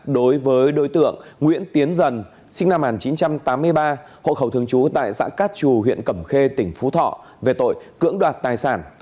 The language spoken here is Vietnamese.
đối với đối tượng nguyễn tiến dần sinh năm một nghìn chín trăm tám mươi ba hộ khẩu thường trú tại xã cát trù huyện cẩm khê tỉnh phú thọ về tội cưỡng đoạt tài sản